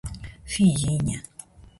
Filliña.